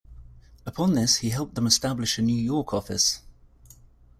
Upon this he helped them establish a New York office.